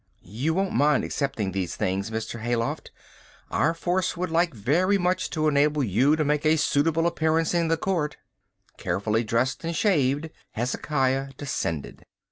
"You won't mind accepting these things, Mr. Hayloft. Our force would like very much to enable you to make a suitable appearance in the court." Carefully dressed and shaved, Hezekiah descended.